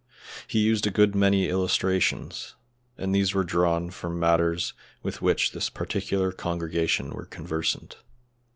He used a good many illustrations, and these were drawn from matters with which this particular congregation were conversant.